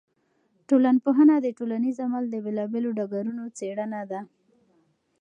ټولنپوهنه د ټولنیز عمل د بېلا بېلو ډګرونو څېړنه ده.